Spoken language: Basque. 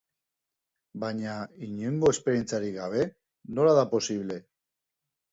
Baina, inongo esperientziarik gabe, nola da posible?